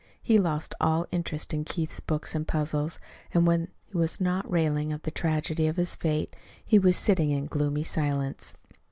He lost all interest in Keith's books and puzzles, and when he was not railing at the tragedy of his fate, he was sitting in gloomy silence.